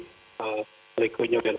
rekonnya sudah naik